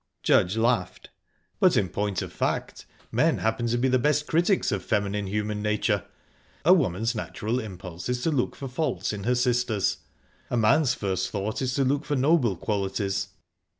Judge laughed. "But, in point of fact, men happen to be the best critics of feminine human nature. A woman's natural impulse is to look for faults in her sisters; a man's first thought is to look for noble qualities."